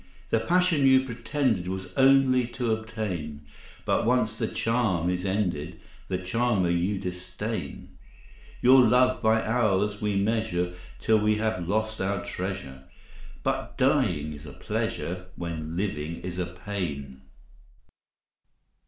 The passion you pretended Was only to obtain, But once the charm is ended, The charmer you disdain. Your love by ours we measure Till we have lost our treasure, But dying is a pleasure When living is a pain.